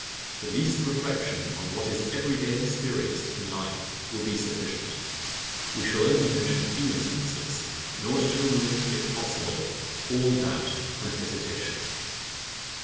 The least reflection on what is every day experienced in life, will be sufficient. We shall only mention a few instances, in order to remove, if possible, all doubt and hesitation.